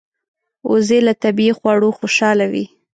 وزې له طبیعي خواړو خوشاله وي